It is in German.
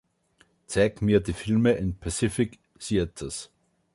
zeig mir die Filme in Pacific Theatres